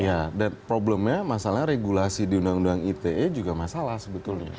iya dan problemnya masalahnya regulasi di undang undang ite juga masalah sebetulnya